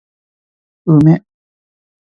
梅